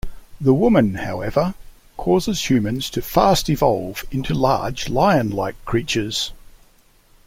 The woman, however, causes humans to 'fast-evolve' into large lion-like creatures.